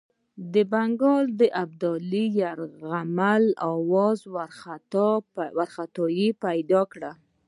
پر بنګال د ابدالي د یرغل آوازو وارخطایي پیدا کړه.